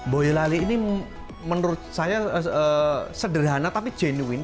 boyolali ini menurut saya sederhana tapi genuin